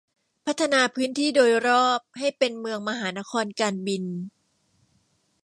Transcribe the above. พัฒนาพื้นที่โดยรอบให้เป็นเมืองมหานครการบิน